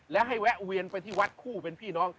และให้แวะเวียนไปที่วัดคู่เป็นพี่น้อง